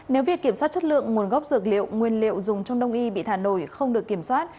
nếu việc kiểm soát chất lượng nguồn gốc dược liệu nguyên liệu dùng trong đông y bị thả nổi không được kiểm soát